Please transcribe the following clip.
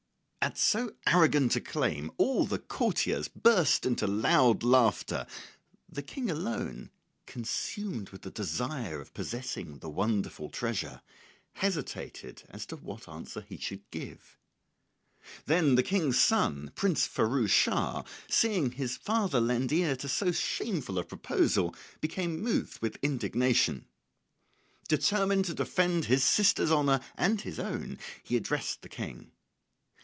At so arrogant a claim all the courtiers burst into loud laughter; the King alone, consumed with the desire of possessing the wonderful treasure, hesitated as to what answer he should give. Then the King's son, Prince Firouz Schah, seeing his father lend ear to so shameful a proposal, became moved with indignation. Determined to defend his sister's honour and his own, he addressed the King.